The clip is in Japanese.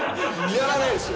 やらないですよ。